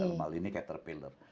dalam hal ini caterpillar